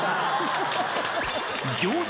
餃子